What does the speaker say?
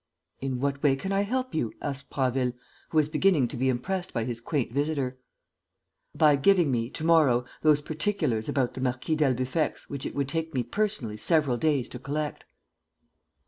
"In what way can I help you?" asked Prasville, who was beginning to be impressed by his quaint visitor. "By giving me, to morrow, those particulars about the Marquis d'Albufex which it would take me personally several days to collect."